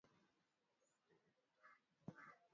bado macho yote yanaangazia nchini uganda